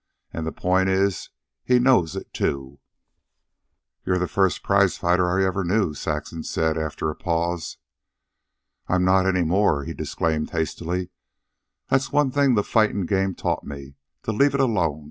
And the point is he knows it, too." "You're the first prizefighter I ever knew," Saxon said, after a pause. "I'm not any more," he disclaimed hastily. "That's one thing the fightin' game taught me to leave it alone.